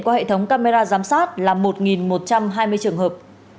qua hệ thống camera giám sát là một một trăm hai mươi trường hợp